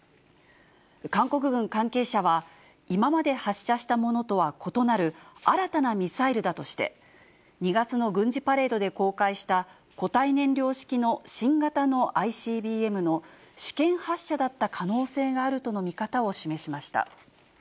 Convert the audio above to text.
韓国軍関係者は、今まで発射したものとは異なる新たなミサイルだとして、２月の軍事パレードで公開した固体燃料式の新型のＩＣＢＭの試験発射だった可能性があるとの見方を示しました。